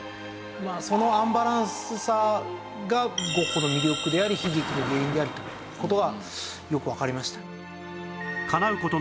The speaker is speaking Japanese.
まあそのアンバランスさがゴッホの魅力であり悲劇の原因でありという事がよくわかりました。